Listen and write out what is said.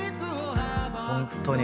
ホントに。